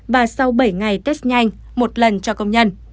và sau bảy ngày test nhanh một lần cho công nhân